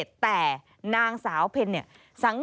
สอบถามก็บอกว่าตาเป็นคนทำ